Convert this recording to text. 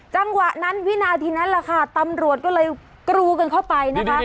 จังหวะนั้นวินาทีนั้นแหละค่ะตำรวจก็เลยกรูกันเข้าไปนะคะ